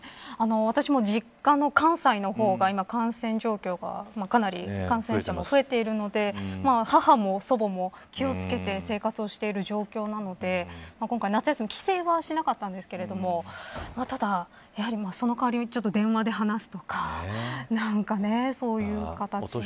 私も実家の関西の方が今、感染状況がかなり感染者も増えているので母も祖母も気を付けて生活している状況なので今回、夏休み帰省はしなかったんですけどただ、やはりその代わりに電話で話すとか何かそういう形で。